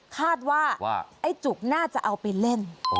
คาดว่าไอ้จุกน่าจะเอาไปเล่น